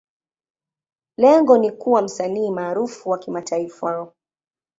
Lengo ni kuwa msanii maarufu wa kimataifa.